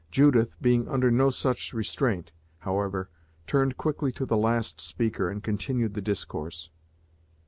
Judith, being under no such restraint, however, turned quickly to the last speaker and continued the discourse.